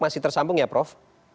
masih tersampung ya prof